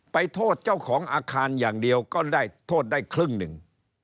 ไปโทษเจ้าของอาคารอย่างเดียวก็ได้โทษได้ครึ่งหนึ่ง